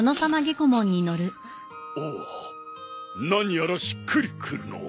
おお何やらしっくりくるのう。